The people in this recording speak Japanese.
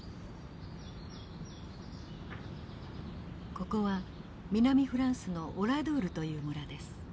ここは南フランスのオラドゥールという村です。